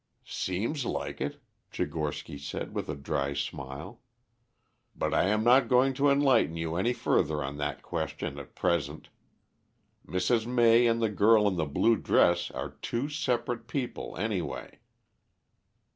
"Seems like it," Tchigorsky said with a dry smile. "But I am not going to enlighten you any further on that question at present. Mrs. May and the girl in the blue dress are two separate people, anyway."